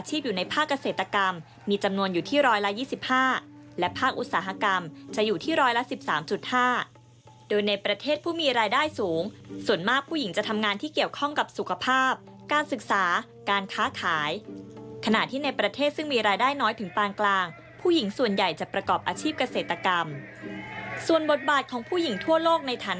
อยู่ในภาคเกษตรกรรมมีจำนวนอยู่ที่๑๒๕และภาคอุตสาหกรรมจะอยู่ที่ร้อยละ๑๓๕โดยในประเทศผู้มีรายได้สูงส่วนมากผู้หญิงจะทำงานที่เกี่ยวข้องกับสุขภาพการศึกษาการค้าขายขณะที่ในประเทศซึ่งมีรายได้น้อยถึงปานกลางผู้หญิงส่วนใหญ่จะประกอบอาชีพเกษตรกรรมส่วนบทบาทของผู้หญิงทั่วโลกในฐานะ